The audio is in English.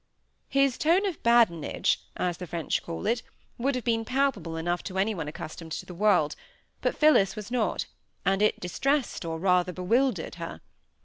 His tone of badinage (as the French call it) would have been palpable enough to any one accustomed to the world; but Phillis was not, and it distressed or rather bewildered her.